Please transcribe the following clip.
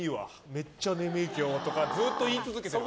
めっちゃねみい今日とかずっと言い続けてるから。